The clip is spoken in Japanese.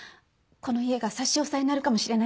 この家が差し押さえになるかもしれないって。